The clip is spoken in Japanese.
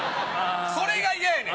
それが嫌やねん。